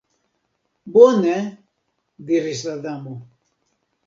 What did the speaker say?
"Bone," diris la Damo.